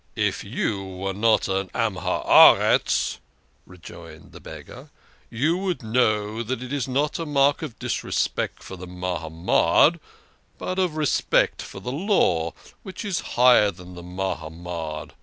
" If you were not a Man of the Earth," rejoined the beggar, " you would know that it is not a mark of disrespect for the Mahamad, but of respect for the Law, which is higher than the Mahamad.